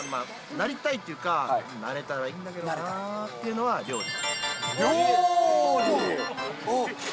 なりたいっていうか、なれたらいいんだけどなっていうのは料理。